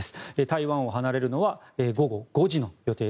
台湾を離れるのは午後５時の予定。